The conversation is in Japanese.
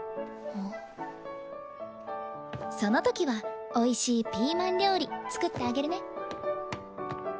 そのときはおいしいピーマン料理作ってあげるね。